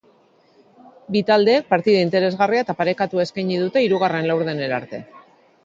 Bi taldeek partida interesgarria eta parekatua eskaini dute hirugarren laurdenera arte.